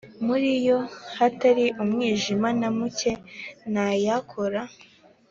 muri yo hatari umwijima na muke ntayakora